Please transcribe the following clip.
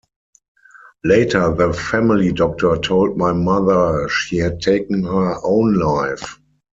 Later the family doctor told my mother she had taken her own life.